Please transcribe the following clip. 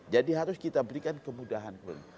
jadi harus kita berikan kemudahan pun